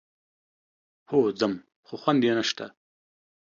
هو ځم، خو خوند يې نشته.